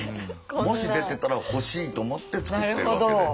もし出てたら欲しいと思って作ってるわけで。